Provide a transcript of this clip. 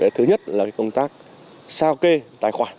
thứ nhất là công tác sao kê tài khoản